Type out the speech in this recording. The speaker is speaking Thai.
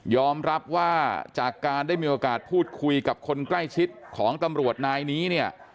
รับว่าจากการได้มีโอกาสพูดคุยกับคนใกล้ชิดของตำรวจนายนี้เนี่ย